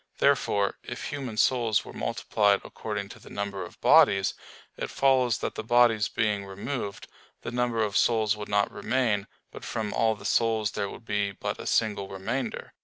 Therefore, if human souls were multiplied according to the number of bodies, it follows that the bodies being removed, the number of souls would not remain; but from all the souls there would be but a single remainder.